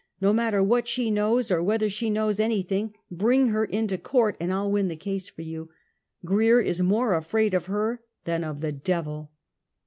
No matter what she knows, or whether she knows anything; bring her into court, and I'll win the case for you. Grier is more afraid of her than of the devil."